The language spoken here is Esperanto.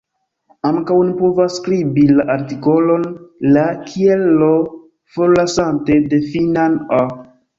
Ankaŭ, oni povas skribi la artikolon "la" kiel l’, forlasante la finan "-a".